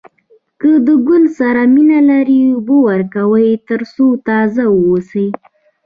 که د ګل سره مینه لرئ اوبه ورکوئ تر څو تازه واوسي.